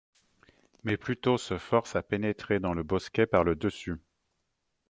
Mais Pluto se force à pénêtrer dans le bosquet par le dessus.